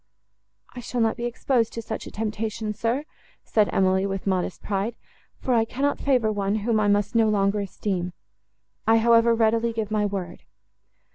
—"I shall not be exposed to such a temptation, sir," said Emily, with modest pride, "for I cannot favour one, whom I must no longer esteem. I, however, readily give my word."